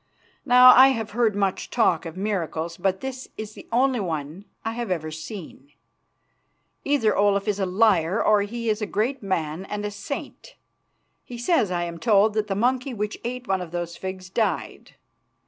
Now I have heard much talk of miracles, but this is the only one I have ever seen. Either Olaf is a liar, or he is a great man and a saint. He says, I am told, that the monkey which ate one of those figs died.